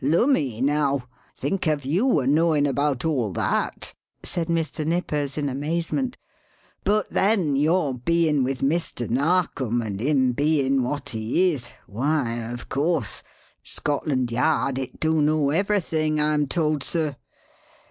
"Lummy, now! think of you a knowin' about all that!" said Mr. Nippers, in amazement. "But then, your bein' with Mr. Narkom and him bein' what he is why, of course! Scotland Yard it do know everything, I'm told, sir."